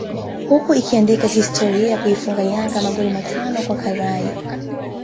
huku ikiandika historia ya kuifunga Yanga magoli matano kwa karai